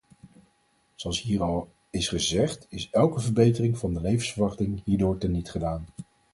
Zoals hier al is gezegd, is elke verbetering van de levensverwachting hierdoor tenietgedaan.